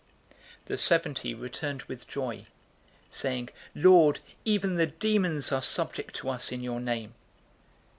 010:017 The seventy returned with joy, saying, "Lord, even the demons are subject to us in your name!"